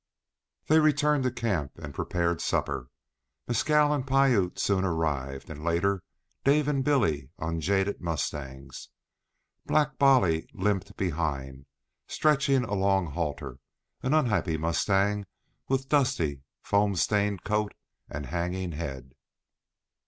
They returned to camp and prepared supper. Mescal and Piute soon arrived, and, later, Dave and Billy on jaded mustangs. Black Bolly limped behind, stretching a long halter, an unhappy mustang with dusty, foam stained coat and hanging head.